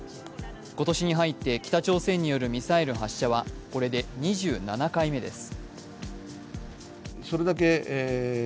今年に入って北朝鮮によるミサイル発射はこれで２７回目です。